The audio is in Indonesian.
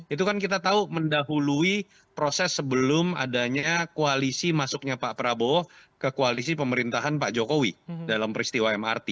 itu kan kita tahu mendahului proses sebelum adanya koalisi masuknya pak prabowo ke koalisi pemerintahan pak jokowi dalam peristiwa mrt